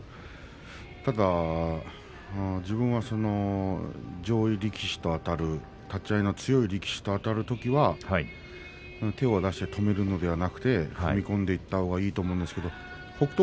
ただ自分は、上位力士とあたる立ち合いの強い力士とあたるときは手を出して止めるのではなくて踏み込んでいったほうがいいと思うんですが北勝